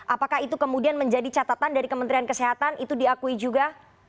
apakah itu kemudian menjadi catatan dari kementerian kesehatan itu diakui juga